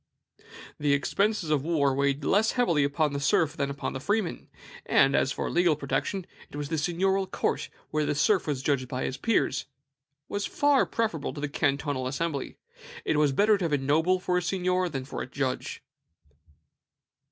"The expenses of war weighed less heavily upon the serf than upon the freeman; and, as for legal protection, the seigniorial court, where the serf was judged by his peers, was far preferable to the cantonal assembly. It was better to have a noble for a seignior than for a judge."